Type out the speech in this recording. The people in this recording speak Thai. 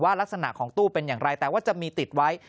ลักษณะของตู้เป็นอย่างไรแต่ว่าจะมีติดไว้